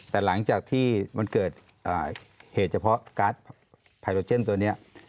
แต่หลังจากที่มันเกิดเหตุเฉพาะการ์ดไพโรเจนตัวนี้